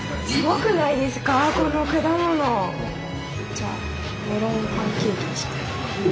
じゃあメロンパンケーキにしよう。